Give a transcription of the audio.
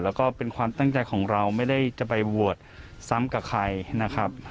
แล้วก็เป็นความตั้งใจของเราไม่ได้จะไปโหวตซ้ำกับใครนะครับ